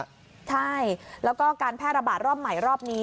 ใช่แล้วก็การแพร่ระบาดรอบใหม่รอบนี้